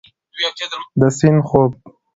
د سیند خوب